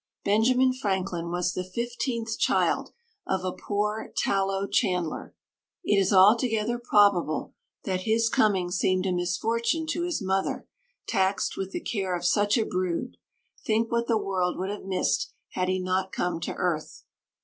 Benjamin Franklin was the fifteenth child of a poor tallow chandler. It is altogether probable that his coming seemed a misfortune to his mother, taxed with the care of such a brood. Think what the world would have missed had he not come to earth.